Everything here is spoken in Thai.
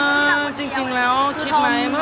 หมายถึงว่าความดังของผมแล้วทำให้เพื่อนมีผลกระทบอย่างนี้หรอค่ะ